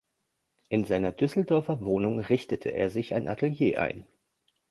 In seiner Düsseldorfer Wohnung richtete er sich ein Atelier ein.